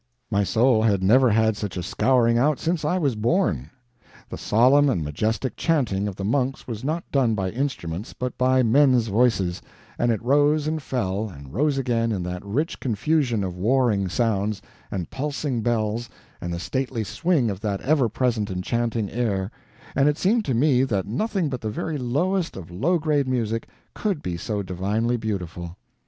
My soul had never had such a scouring out since I was born. The solemn and majestic chanting of the monks was not done by instruments, but by men's voices; and it rose and fell, and rose again in that rich confusion of warring sounds, and pulsing bells, and the stately swing of that ever present enchanting air, and it seemed to me that nothing but the very lowest of low grade music COULD be so divinely beautiful.